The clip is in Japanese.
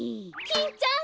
キンちゃん！